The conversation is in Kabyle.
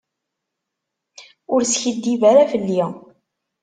Ur skiddib ara fell-i.